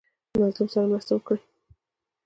مظلوم سره مرسته وکړئ